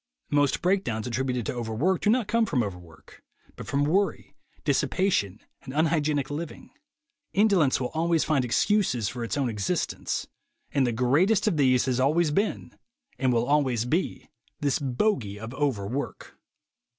Most breakdowns attributed to overwork do not come from overwork, but from worry, dissipation and unhygienic living. Indolence will always find excuses for its own existence ; and the greatest of these has always been, and will always be, this bogey of "overwork."